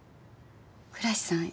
倉石さん